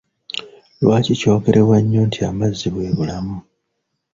Lwaki kyogerebwa nnyo nti amazzi bwe bulamu?